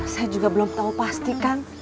saya juga belum tahu pasti kang